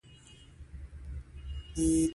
احمده مه بد اروا کېږه.